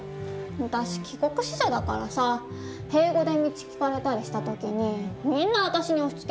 私帰国子女だからさ英語で道聞かれたりした時にみんな私に押しつけるんだよね。